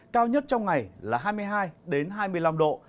cao nhất trong ngày là hai mươi hai hai mươi năm độ